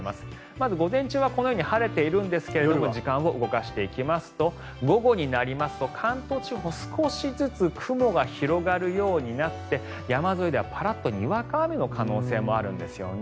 まず午前中はこのように晴れているんですが時間を動かしていきますと午後になると関東地方少しずつ雲が広がるようになって山沿いではパラッとにわか雨の可能性もあるんですよね。